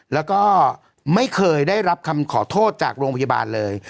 แล้วก็ไม่เคยได้รับคำขอโทษจากโรงพยาบาลเลย